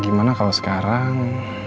gimana kalau sekarang